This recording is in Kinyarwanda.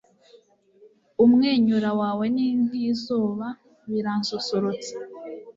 umwenyura wawe ni nkizuba, biransusurutsa